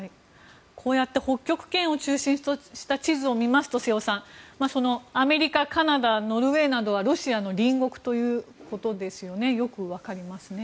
こうやって北極圏を中心とした地図を見ますと瀬尾さん、アメリカ、カナダノルウェーなどはロシアの隣国ということですよね。